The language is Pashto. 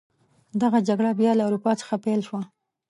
دغه جګړه بیا له اروپا څخه پیل شوه.